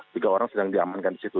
tiga orang sedang diamankan di situ